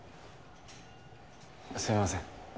すいません。